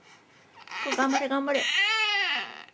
頑張れ頑張れ！